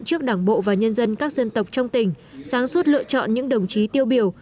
trước đảng bộ và nhân dân các dân tộc trong tỉnh sáng suốt lựa chọn những đồng chí tiêu biểu